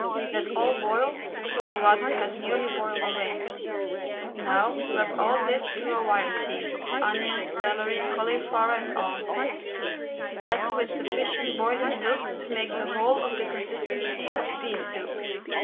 Let all boil till the water has nearly boiled away. Now rub all this through a wire sieve, onions, celery, cauliflower, and all; add to it sufficient boiling milk to make the whole of the consistency of pea soup.